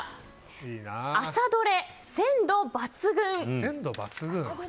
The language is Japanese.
朝どれ鮮度抜群。